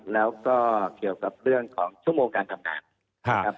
แล้วก็เกี่ยวกับเรื่องของชั่วโมงการทำงานนะครับ